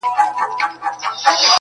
په خندا پاڅي په ژړا يې اختتام دی پيره,